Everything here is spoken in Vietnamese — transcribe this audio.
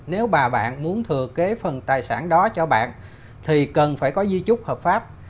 nếu bà bạn muốn thừa kế phần tài sản đó cho bạn thì cần phải có di chúc hợp pháp